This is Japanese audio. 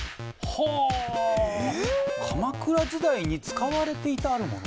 ほう鎌倉時代に使われていたある物。